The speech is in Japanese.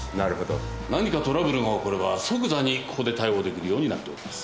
何かトラブルが起これば即座にここで対応できるようになっております。